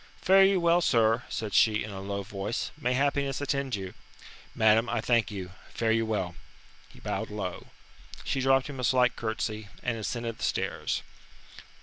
"Fare you well, sir," said she in a low voice. "May happiness attend you." "Madam, I thank you. Fare you well." He bowed low. She dropped him a slight curtsey, and ascended the stairs.